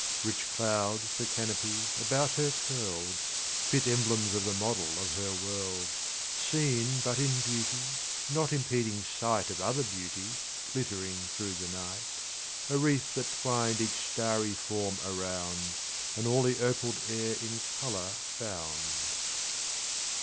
Rich clouds, for canopies, about her curled— Fit emblems of the model of her world— Seen but in beauty—not impeding sight Of other beauty glittering thro' the light— A wreath that twined each starry form around, And all the opal'd air in color bound.